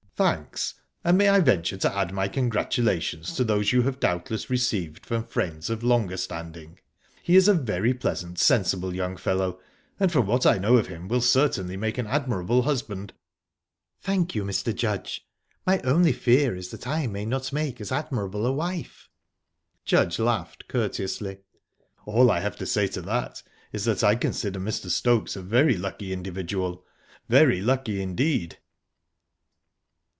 "Thanks! And my I venture to add my congratulations to those you have doubtless received from friends of longer standing? He is a very pleasant, sensible young fellow, and, from what I know of him, will certainly make an admirable husband." "Thank you, Mr. Judge! My only fear is that I may not make as admirable a wife." Judge laughed courteously. "All I have to say to that is that I consider Mr. Stokes a very lucky individual very lucky indeed!"